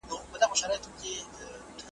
بشري منابع بايد په سمه توګه مديريت سي.